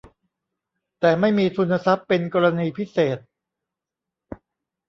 แต่ไม่มีทุนทรัพย์เป็นกรณีพิเศษ